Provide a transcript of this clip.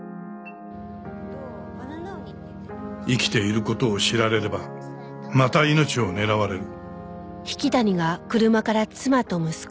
生きている事を知られればまた命を狙われる。